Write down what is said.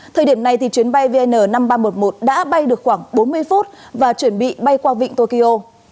thời điểm này chuyến bay vn năm nghìn ba trăm một mươi một đã bay được khoảng bốn mươi phút và chuẩn bị bay qua vịnh tokyo